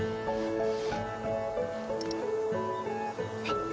はい。